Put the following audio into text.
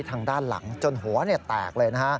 ทางด้านหลังจนหัวแตกเลยนะฮะ